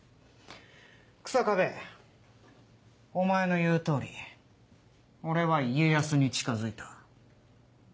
日下部お前の言う通り俺は家康に近づいた。